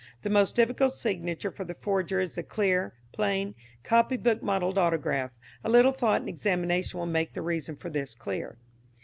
The most difficult signature for the forger is the clear, plain, copybook modelled autograph. A little thought and examination will make the reason for this clear.